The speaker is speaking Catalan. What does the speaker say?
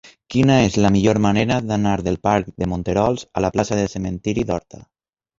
Quina és la millor manera d'anar del parc de Monterols a la plaça del Cementiri d'Horta?